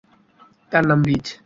তার নাম রিজ।